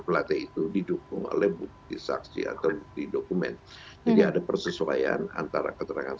pelatih itu didukung oleh bukti saksi atau bukti dokumen jadi ada persesuaian antara keterangan